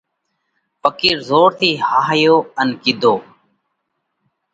ڦقِير زور ٿِي هاهيو ان ڪِيڌو: